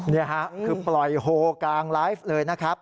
นี่ค่ะคือปล่อยโฮกลางไลฟ์เลยนะครับ